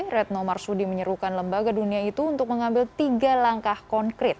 retno marsudi menyerukan lembaga dunia itu untuk mengambil tiga langkah konkret